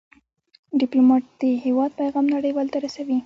ډيپلومات د هېواد پېغام نړیوالو ته رسوي.